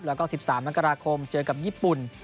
แล้วก็๑๓มกราคมเจอกับญี่ปุ่น